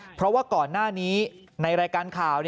เพราะว่าก่อนหน้านี้ในรายการข่าว